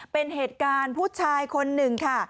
เป็นเหตุการณ์ผู้ชายคนหนึ่งค่ะ